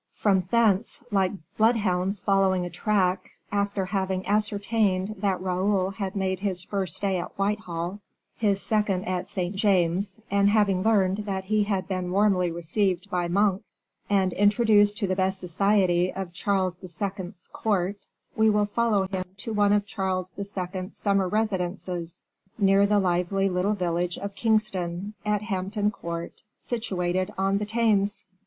From thence, like bloodhounds following a track, after having ascertained that Raoul had made his first stay at Whitehall, his second at St. James's, and having learned that he had been warmly received by Monk, and introduced to the best society of Charles II.'s court, we will follow him to one of Charles II.'s summer residences near the lively little village of Kingston, at Hampton Court, situated on the Thames.